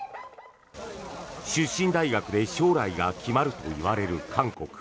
出身大学で将来が決まるといわれる韓国。